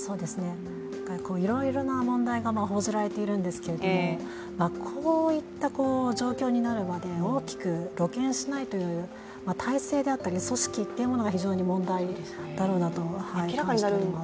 いろいろな問題が報じられているんですけどこういった状況になるまで、大きく露見しないという体制であったり組織というものが非常に問題だろうと感じております。